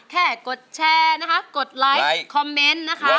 แค่กดแชร์นะครับกดไลค์คอมเมนต์นะครับ